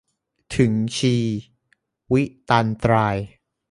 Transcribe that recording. ถึงชีวิตันตราย